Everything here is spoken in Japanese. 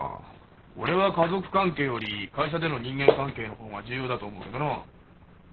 俺は家族関係より会社での人間関係の方が重要だと思うけどな。